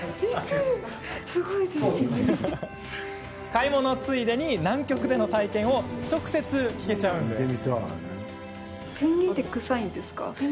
買い物ついでに南極での体験を直接、聞けちゃうんです。